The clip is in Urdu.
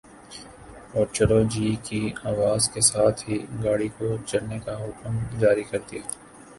اور چلو جی کی آواز کے ساتھ ہی گاڑی کو چلنے کا حکم جاری کر دیا